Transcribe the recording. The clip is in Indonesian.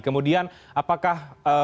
kemudian apakah itu bisa diperlukan